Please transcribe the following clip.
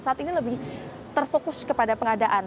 saat ini lebih terfokus kepada pengadaan